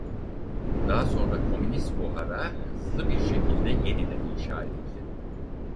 Daha sonra Komünist Buhara hızlı bir şekilde yeniden inşa edildi.